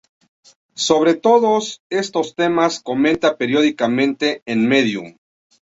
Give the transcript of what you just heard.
Sobre todas estos temas comenta periódicamente en Medium.